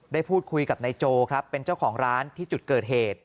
ได้พูดคุยกับนายโจครับเป็นเจ้าของร้านที่จุดเกิดเหตุ